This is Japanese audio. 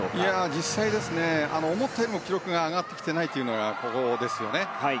実際、思ったよりも記録が上がってきていないというのが現状ですね。